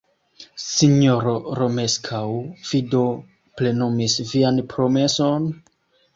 Sinjoro Romeskaŭ, vi do plenumis vian promeson?